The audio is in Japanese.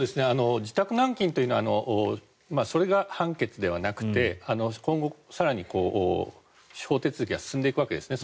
自宅軟禁というのはそれが判決ではなくて今後、更に司法手続きが進んでいくわけですね。